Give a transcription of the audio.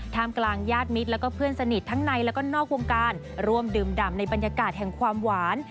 กลางญาติมิตรแล้วก็เพื่อนสนิททั้งในแล้วก็นอกวงการร่วมดื่มดำในบรรยากาศแห่งความหวาน